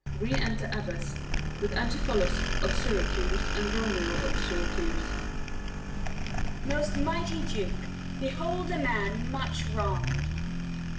Re enter Abbess, with ANTIPHOLUS of Syracuse and DROMIO of Syracuse. Abb. Most mighty Duke, behold a man much wrong'd.